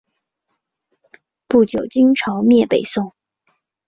不久金朝灭北宋。